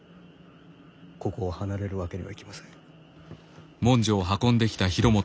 ここを離れるわけにはいきません。